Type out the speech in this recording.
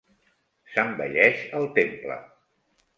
S'embelleix el temple.